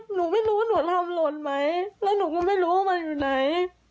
หนูไม่รู้ว่าหนูทำหล่นไหมแล้วหนูก็ไม่รู้ว่ามันอยู่ไหน